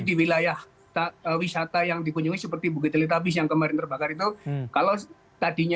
di wilayah wisata yang dikunjungi seperti bukit teletabis yang kemarin terbakar itu kalau tadinya